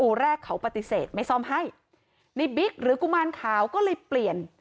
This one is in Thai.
แรกเขาปฏิเสธไม่ซ่อมให้ในบิ๊กหรือกุมารขาวก็เลยเปลี่ยน